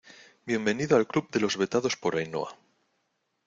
bienvenido al club de los vetados por Ainhoa.